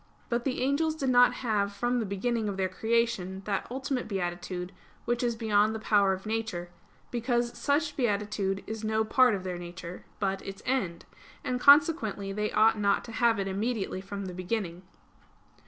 But the angels did not have from the beginning of their creation that ultimate beatitude which is beyond the power of nature; because such beatitude is no part of their nature, but its end; and consequently they ought not to have it immediately from the beginning.